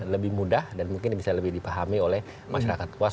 lebih mudah dan mungkin bisa lebih dipahami oleh masyarakat puas